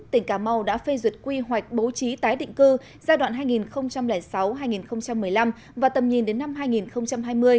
tỉnh cà mau đã phê duyệt quy hoạch bố trí tái định cư giai đoạn hai nghìn sáu hai nghìn một mươi năm và tầm nhìn đến năm hai nghìn hai mươi